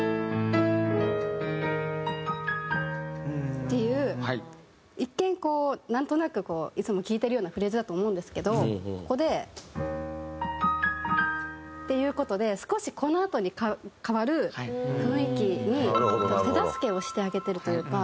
っていう一見なんとなくこういつも聴いてるようなフレーズだと思うんですけどここで。っていう事で少しこのあとに変わる雰囲気に手助けをしてあげてるというか。